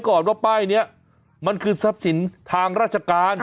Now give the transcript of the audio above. ก่อนว่าป้ายนี้มันคือทรัพย์สินทางราชการ